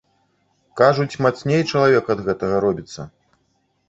Кажуць, мацней чалавек ад гэтага робіцца.